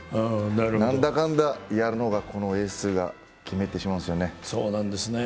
なんだかんだやるのが、このエースが決めてしまうんですね。